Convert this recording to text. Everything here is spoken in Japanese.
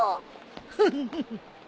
フフフッ。